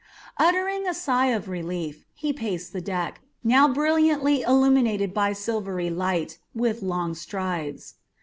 Uttering a sigh of relief, he paced the deck now brilliantly illuminated by silvery light with long strides.